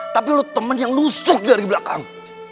tapi lo temen yang lusuk dari belakang